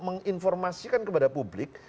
menginformasikan kepada publik